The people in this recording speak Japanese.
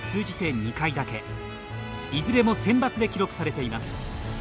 いずれもセンバツで記録されています。